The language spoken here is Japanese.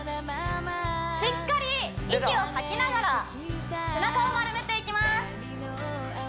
しっかり息を吐きながら背中を丸めていきます